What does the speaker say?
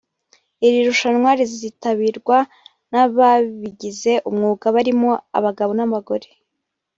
Iri rushwana rizitabirwa n’ababigize umwuga barimo abagabo n’abagore